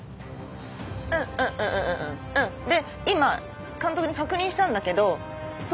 うんうんで今監督に確認したんだけど。